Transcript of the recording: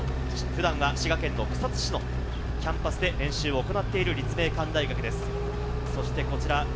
普段は滋賀県のキャンパスで練習を行っている立命館大学です。